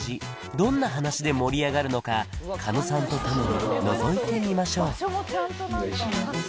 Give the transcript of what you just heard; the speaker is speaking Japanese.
どんな話で盛り上がるのか狩野さんと共にのぞいてみましょうお願いします